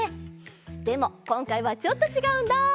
でもこんかいはちょっとちがうんだ。